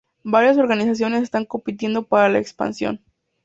Varias organizaciones están compitiendo para la expansión.